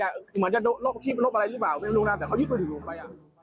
เหมือนจะลบอะไรหรือเปล่าไม่รู้นะแต่เขายึดมือถือผมไป